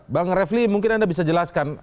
bang refli mungkin anda bisa jelaskan